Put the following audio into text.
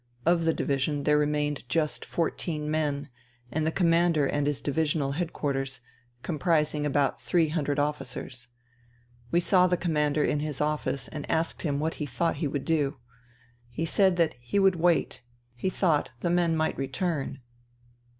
Of the division there remained just fourteen men, the Commander and his divisional headquarters, comprising about three hundred officers. We saw the Commander in his office and asked him what he thought he would do. He said that he would wait ; he thought the men might return.